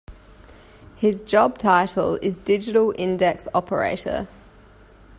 His job title is digital index operator.